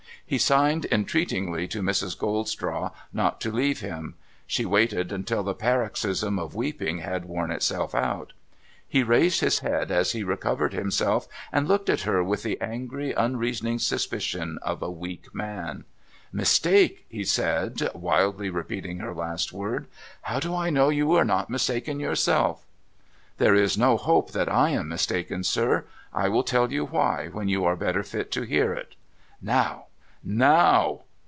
He signed entreatingly to Mrs. Goldstraw not to leave him. She waited until the paroxysm of weeping had worn itself out. He raised his head as he recovered himself, and looked at her with the angry, un reasoning suspicion of a weak man. * Mistake ?' he said, wildly repeating her last word. ' How do I know you are not mistaken yourself?' ' There is no hope that I am mistaken, sir. I will tell you why, when you are better fit to hear it.' ' Now ! now